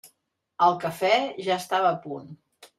El cafè ja estava a punt.